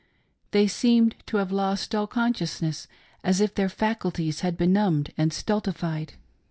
They seemed to have lost all consciousness, as if their faculties had been numbed and stultified.